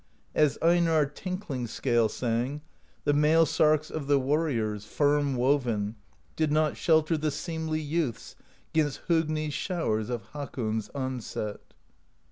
As Einarr Tinkling Scale sang: The mail sarks of the warriors, Firm woven, did not shelter The seemly youths 'gainst Hogni's Showers of Hakon's onset.